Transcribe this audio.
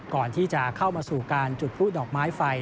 ก่อนที่จะเข้ามาสู่การจุดผู้ดอกไม้ไฟ